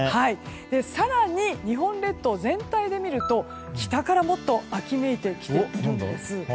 更に、日本列島全体で見ると北からもっと秋めいてきているんです。